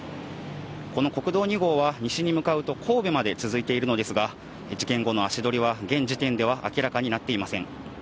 この国道２号は西に向かうと神戸まで続いているのですが、事件後の足取りは、現時点では明らかになっていません。